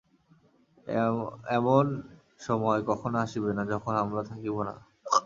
এমন সময় কখনও আসিবে না, যখন আমরা থাকিব না।